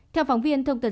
theo phóng viên thông tin